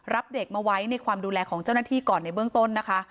รับเด็กมาไว้ในความดูแลของเจ้าหน้าที่ก่อนในเบื้องต้นนะคะ